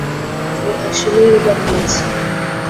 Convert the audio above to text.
আমি আসলেই এটা পেয়েছি।